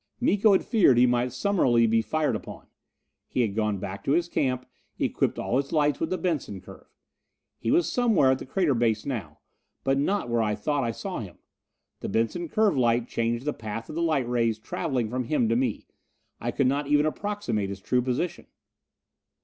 Miko had feared he might summarily be fired upon. He had gone back to his camp, equipped all his lights with the Benson curve. He was somewhere at the crater base now. But not where I thought I saw him! The Benson curve light changed the path of the light rays traveling from him to me I could not even approximate his true position!